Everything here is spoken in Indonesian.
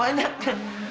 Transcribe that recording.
oh ya kan